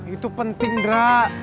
itu penting drak